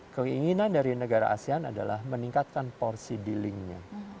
keinginan dari negara asean adalah meningkatkan porsi dealingnya